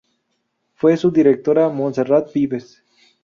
Fue su directora Monserrat Vives.